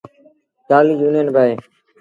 ٽآلهيٚ يونيٚن با اهي